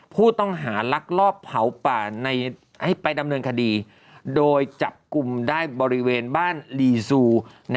ผู้ต้องหาลักลอบเผาป่าให้ไปดำเนินคดีโดยจับกลุ่มได้บริเวณบ้านลีซู